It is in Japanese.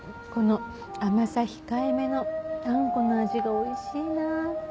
この甘さ控えめのあんこの味がおいしいな。